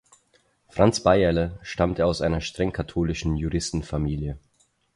Franz Beyerle stammte aus einer streng katholischen Juristenfamilie.